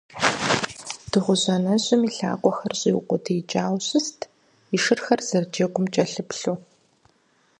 Дыгъужь анэжьыр и лъакъуэхэр щӀиукъуэдиикӀауэ щыст, и шырхэр зэрыджэгум кӀэлъыплъу.